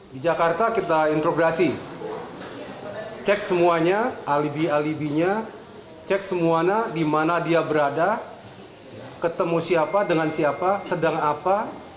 di jakarta kita intrograsi cek semuanya alibi alibinya cek semuanya di mana dia berada ketemu siapa dengan siapa sedang apa